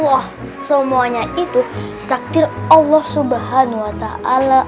wah semuanya itu takdir allah subhanu wa ta'ala